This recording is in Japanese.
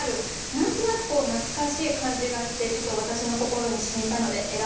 何となく懐かしい感じがしてちょっと私の心にしみたので選ばせて頂きました。